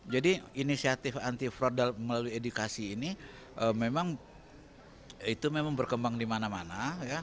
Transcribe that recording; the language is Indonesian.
jadi inisiatif anti fraud melalui edukasi ini memang berkembang di mana mana